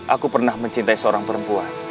aku pernah mencintai seorang perempuan